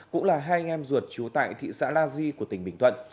cũng là hai anh em ruột trú tại thị xã la di của tỉnh bình thuận